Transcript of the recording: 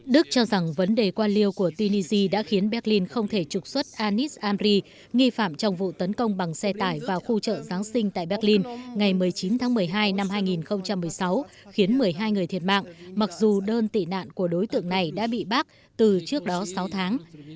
đức cho rằng vấn đề quan liêu của tunisia đã khiến berlin không thể trục xuất anis andri nghi phạm trong vụ tấn công bằng xe tải vào khu chợ giáng sinh tại berlin ngày một mươi chín tháng một mươi hai năm hai nghìn một mươi sáu khiến một mươi hai người thiệt mạng mặc dù đơn tị nạn của đối tượng này đã bị bác từ trước đó sáu tháng